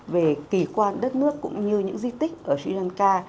về kỳ quan đất nước cũng như những di tích ở sri lanka